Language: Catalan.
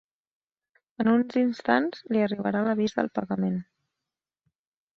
En uns instants li arribarà l'avís del pagament.